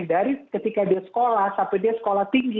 spesialis orang yang dari ketika dia sekolah sampai dia sekolah tinggi